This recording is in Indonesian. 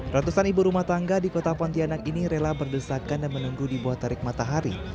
ratusan ibu rumah tangga di kota pontianak ini rela berdesakan dan menunggu di bawah tarik matahari